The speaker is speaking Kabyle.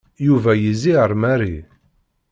Yuba yezzi ar Mary.